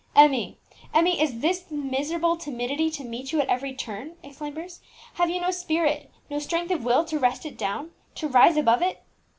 "Emmie, Emmie, is this miserable timidity to meet you at every turn?" exclaimed Bruce. "Have you no spirit, no strength of will to wrestle it down, to rise above it?"